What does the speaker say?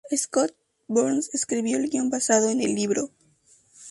Scott Z. Burns escribió el guion basado en el libro.